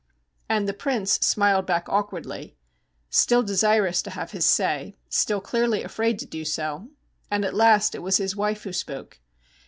And the prince smiled back awkwardly, still desirous to have his say, still clearly afraid to do so, and at last it was his wife who spoke.